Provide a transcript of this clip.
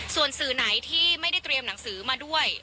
ส่วนสื่อไหนที่ไม่ได้เตรียมหนังสือมาด้วย